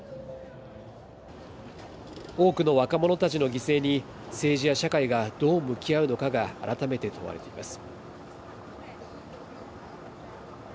多くの若者たちの犠牲に、政治や社会がどう向き合うのかが改めて問われています。